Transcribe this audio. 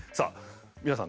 皆さん